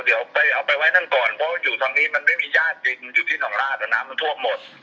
เดี๋ยวเอาไปไว้นั่งก่อนเพราะว่าอยู่ทางนี้มันไม่มีญาติจริงอยู่ที่สองราชนะมันทั่วหมด